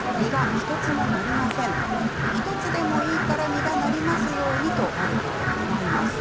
１つでもいいから実がなりますようにとワルターは願います。